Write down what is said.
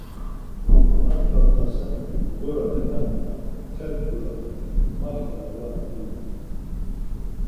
A ndğa t̆asen, bğuraten ama mtel bğuraten, ma xvala var gyuli.